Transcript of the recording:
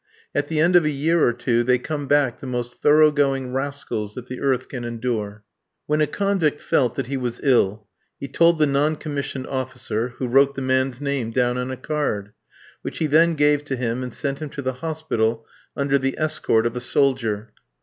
At the end of a year or two, they come back the most thorough going rascals that the earth can endure. When a convict felt that he was ill, he told the non commissioned officer, who wrote the man's name down on a card, which he then gave to him and sent him to the hospital under the escort of a soldier.